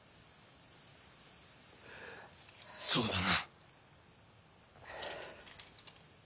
そうだな。